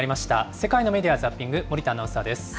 世界のメディア・ザッピング、森田アナウンサーです。